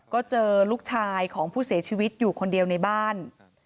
ก็เจอลูกชายของผู้เสียชีวิตอยู่คนเดียวในบ้าน